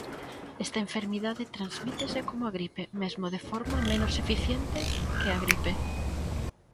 Esta enfermidade transmítese como a gripe, mesmo de forma menos eficiente que a gripe.